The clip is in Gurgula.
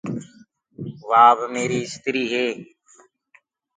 وآ اب ميآريٚ استريٚ هي۔